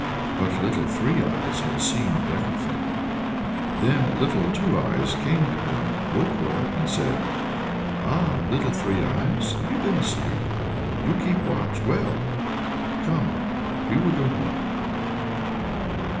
But Little Three Eyes had seen everything. Then Little Two Eyes came to her, woke her, and said, "Ah! Little Three Eyes, have you been asleep? you keep watch well! come, we will go home."